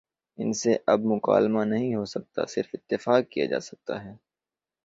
ان سے اب مکالمہ نہیں ہو سکتا صرف اتفاق کیا جا سکتا ہے۔